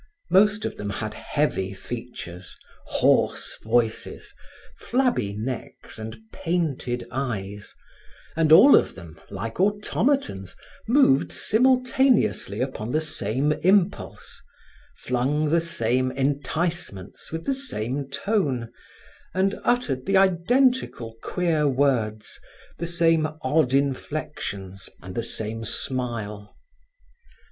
Most of them had heavy features, hoarse voices, flabby necks and painted eyes; and all of them, like automatons, moved simultaneously upon the same impulse, flung the same enticements with the same tone and uttered the identical queer words, the same odd inflections and the same smile.